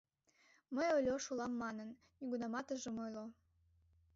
— Мый Ольош улам манын, нигунамат ыжым ойло.